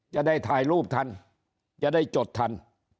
จะได้ถ่ายรูปทันจะได้จดทัน